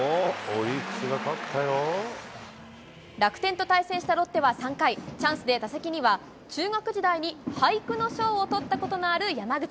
楽天と対戦したロッテは３回、チャンスで打席には、中学時代に俳句の賞をとったことのある山口。